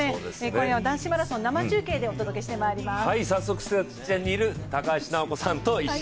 今夜は男子マラソン生中継でお伝えしてまいります。